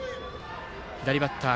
左バッター。